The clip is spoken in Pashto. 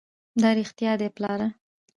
دا رښتيا دي پلاره!